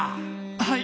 はい！